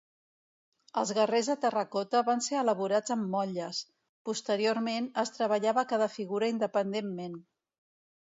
Els guerrers de terracota van ser elaborats amb motlles; posteriorment, es treballava cada figura independentment.